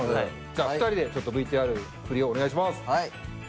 じゃあ２人でちょっとＶＴＲ振りをお願いします。